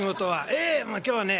「ええ今日はね